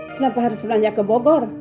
kenapa harus belanja ke bogor